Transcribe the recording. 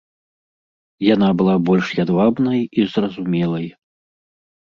Яна была больш ядвабнай і зразумелай.